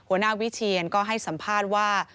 หัวหน้าวิเชียนก็ให้สัมภาษณ์ว่า